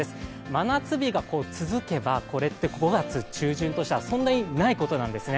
真夏日が続けばこれって５月中旬としてはそんなにないことなんですね。